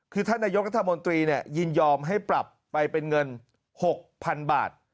คือท่านนายกรัฐมนตรียินยอมให้ปรับไปเป็นเงิน๖๐๐๐บาท